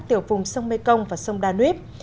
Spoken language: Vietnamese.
tiểu phùng sông mekong và sông danuip